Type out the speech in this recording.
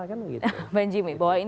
bang jimmy bahwa ini harus sesegara mungkin